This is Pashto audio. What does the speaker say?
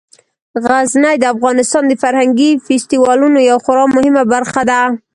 غزني د افغانستان د فرهنګي فستیوالونو یوه خورا مهمه برخه ده.